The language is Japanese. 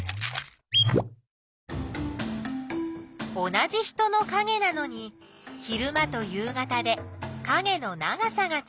同じ人のかげなのに昼間と夕方でかげの長さがちがうふしぎ。